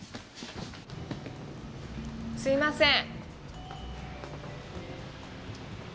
すいません。